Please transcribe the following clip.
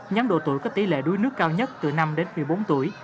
nhóm độ tuổi có tỷ lệ đuối nước cao nhất từ năm đến một mươi bốn tuổi